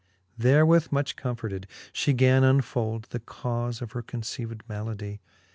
Therewith much comforted, fhe gan unfold The caufe of her conceived maladie.